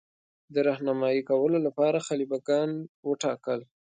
د رهنمايي کولو لپاره خلیفه ګان وټاکل.